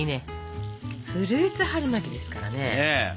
フルーツ春巻きですからね。